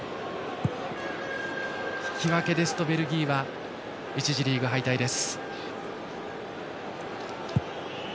引き分けですとベルギーは１次リーグ敗退です。